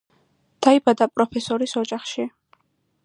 დაიბადა პროფესორის ოჯახში.